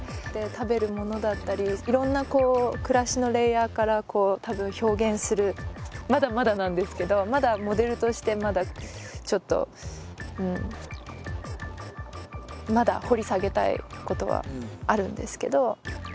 食べるものだったりいろんなまだまだなんですけどまだモデルとしてまだちょっとまだ掘り下げたいことはあるんですけど。